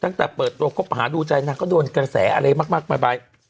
ตั้งแต่เปิดตัวคบหาดูใจนางก็โดนกระแสอะไรมากมาย